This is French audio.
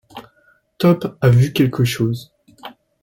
Top a vu quelque chose !…